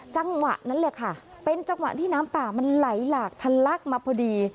จังหวะนั้นแหละค่ะเป็นจังหวะที่น้ำป่ามันไหลหลากทะลักมาพอดี